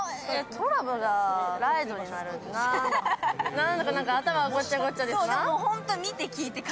なんだか頭がごっちゃごちゃです。